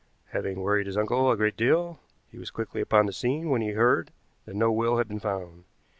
Having worried his uncle a great deal, he was quickly upon the scene when he heard that no will had been found.